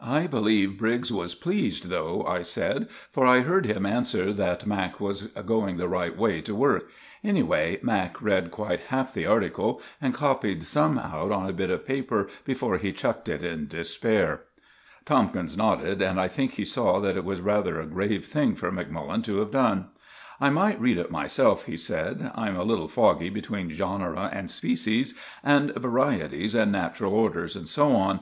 "I believe Briggs was pleased, though," I said, "for I heard him answer that Mac. was going the right way to work. Anyway, Mac. read quite half the article and copied some out on a bit of paper before he chucked it in despair." Tomkins nodded, and I think he saw that it was rather a grave thing for Macmullen to have done. "I might read it myself," he said. "I'm a little foggy between genera and species, and varieties and natural orders, and so on.